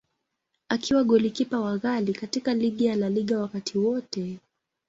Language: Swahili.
Akiwa golikipa wa ghali katika ligi ya La Liga wakati wote.